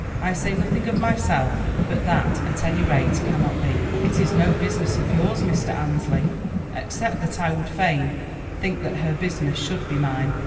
I say nothing of myself, but that, at any rate, cannot be." "It is no business of yours, Mr. Annesley." "Except that I would fain think that her business should be mine."